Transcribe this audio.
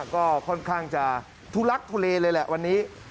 ก็ค่อนข้างจะทุลักทุเลเลยแหละวันนี้